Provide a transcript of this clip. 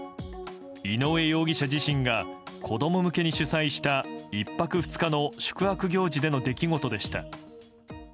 井上容疑者自身が子供向けに主催した１泊２日の宿泊行事での出来事でした。